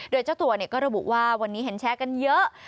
โดยเจ้าตัวก็ระบุว่าวันนี้เห็นแชร์กันเยอะ